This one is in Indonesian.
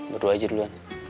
berdua aja duluan